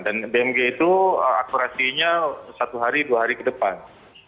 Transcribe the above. dan bmg itu akurasinya satu hari dua hari ke depan